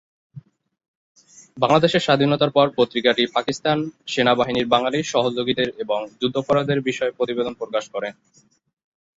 বাংলাদেশের স্বাধীনতার পর পত্রিকাটি পাকিস্তান সেনাবাহিনীর বাঙালি সহযোগীদের এবং যুদ্ধাপরাধের বিষয়ে প্রতিবেদন প্রকাশ করে।